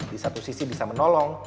di satu sisi bisa menolong